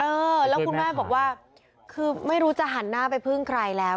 เออแล้วคุณแม่บอกว่าคือไม่รู้จะหันหน้าไปพึ่งใครแล้ว